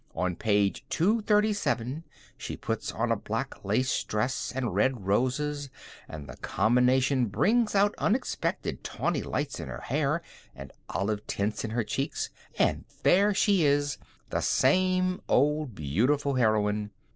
On Page 237 she puts on a black lace dress and red roses, and the combination brings out unexpected tawny lights in her hair, and olive tints in her cheeks, and there she is, the same old beautiful heroine.